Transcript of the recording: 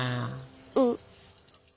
うん。